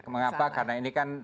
mengapa karena ini kan